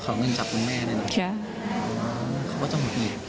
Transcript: เขาก็จะหงุดหิด